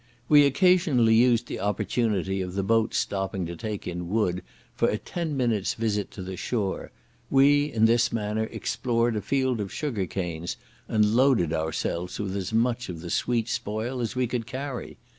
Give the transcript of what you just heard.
We occasionally used the opportunity of the boat's stopping to take in wood for a ten minutes' visit to the shore; we in this manner explored a field of sugar canes, and loaded ourselves with as much of the sweet spoil as we could carry.